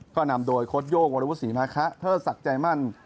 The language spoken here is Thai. ก็นำโดยโค้ดโย่งวรวุฒิศรีมาคะเทิดศักดิ์ใจมั่น